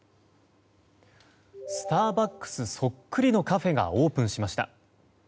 スターバックスそっくりのカフェがオープンしました。